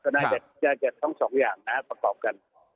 ก็น่าจะทั้งสองอย่างนะประกอบกัน